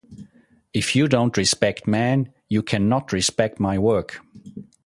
If you don't respect man, you cannot respect my work.